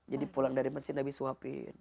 jadi pulang dari masjid nabi suapin